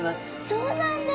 そうなんだ。